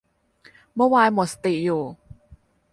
เมื่อไวน์หมดสติอยู่